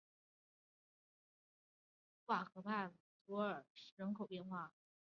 卢瓦河畔蒙图瓦尔人口变化图示